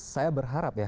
saya berharap ya